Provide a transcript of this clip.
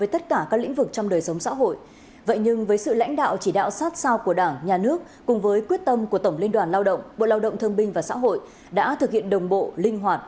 tổng liên đoàn lao động việt nam đã thực hiện đồng bộ linh hoạt